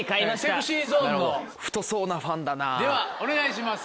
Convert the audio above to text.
ではお願いします。